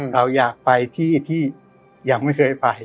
เราอยากไปที่ที่ยังไม่เคยไป